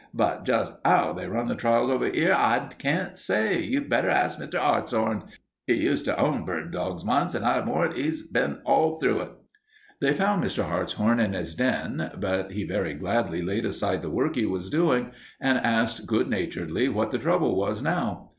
But just 'ow they run the trials over 'ere, I can't say. You'd better ask Mr. 'Artshorn. 'E used to own bird dogs once, and I'll warrant 'e's been all through it." They found Mr. Hartshorn in his den, but he very gladly laid aside the work he was doing and asked good naturedly what the trouble was now.